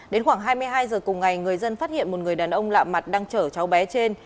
đến khoảng hai mươi hai giờ cùng ngày người dân phát hiện một người đàn ông lạ mặt đang chở cháu bé trên